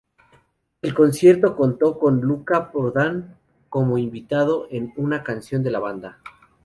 El concierto contó con Luca Prodan como invitado en una canción de la banda.